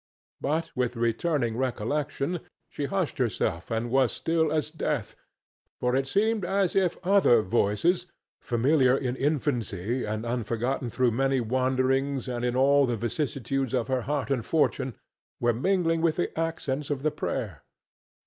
But, with returning recollection, she hushed herself and was still as death, for it seemed as if other voices, familiar in infancy and unforgotten through many wanderings and in all the vicissitudes of her heart and fortune, were mingling with the accents of the prayer.